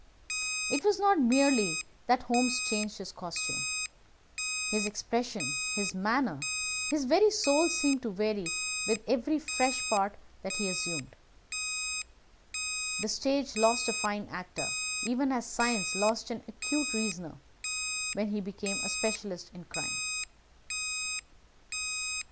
It was not merely that Holmes changed his costume. His expression, his manner, his very soul seemed to vary with every fresh part that he assumed. The stage lost a fine actor, even as science lost an acute reasoner, when he became a specialist in crime.